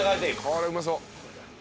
これうまそう。